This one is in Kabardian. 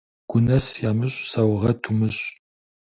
Гунэс ямыщӀ саугъэт умыщӀ.